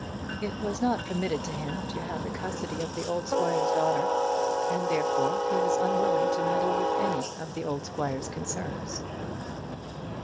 It was not permitted to him to have the custody of the old squire's daughter, and therefore he was unwilling to meddle with any of the old squire's concerns.